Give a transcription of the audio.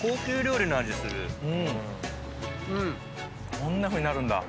こんなふうになるんだ。